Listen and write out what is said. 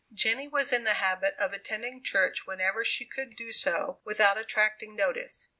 Jenny was in the habit of attending church whenever she could do so without attracting notice.